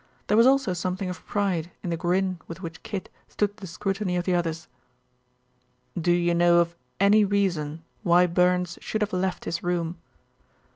There was also something of pride in the grin with which Kid stood the scrutiny of the others. "Do you know of any reason why Burns should have left his room?"